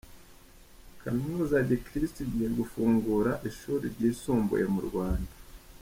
Kaminuza ya Gikirisitu igiye gufungura ishuri ryisumbuye mu Rwanda